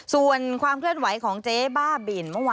ส่วนความเคลื่อมไหวของเจ๊บ้าบิน